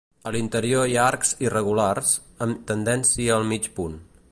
A l'interior hi ha arcs irregulars, amb tendència al mig punt.